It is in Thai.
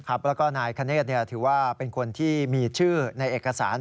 แล้วก็นายคเนธถือว่าเป็นคนที่มีชื่อในเอกสาร